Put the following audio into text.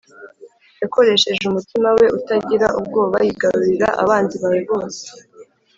yakoresheje umutima we utagira ubwoba yigarurira abanzi bawe bose